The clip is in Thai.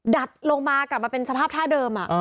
ดัดลงมากลับมาเป็นสภาพท่าเดิม